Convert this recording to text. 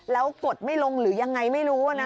แล้วกดไม่ลงหรือยังไงไม่รู้นะ